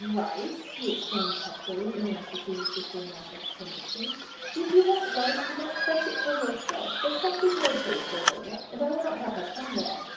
"Rice!" he exclaimed testily, in answer to his sister in law's explanation. "If you want rice, you must fetch it for yourself. The shop is no place for Rhoda, and I will not have her come there."